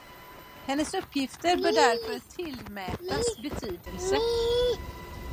Hennes uppgifter bör därför tillmätas betydelse.